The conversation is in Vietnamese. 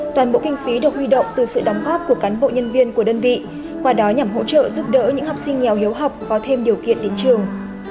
toàn bộ kinh phí được huy động từ sự đóng góp của cán bộ nhân viên của đơn vị qua đó nhằm hỗ trợ giúp đỡ những học sinh nghèo hiếu học có thêm điều kiện đến trường